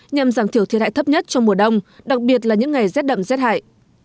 nhằm giảm thiểu thiệt hại thấp nhất trong mùa đông đặc biệt là những ngày dết đậm dết hại